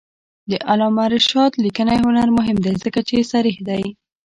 د علامه رشاد لیکنی هنر مهم دی ځکه چې صریح دی.